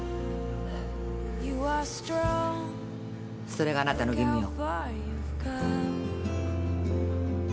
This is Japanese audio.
それがあなたの義務よ。